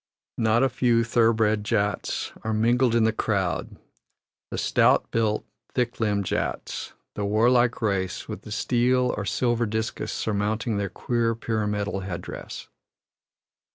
Not a few thoroughbred Jats are mingled in the crowd the "stout built, thick limbed Jats," the warlike race with the steel or silver discus surmounting their queer pyramidal headdress.